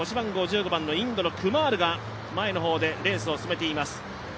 インドのクマールが前の方でレースを進めています。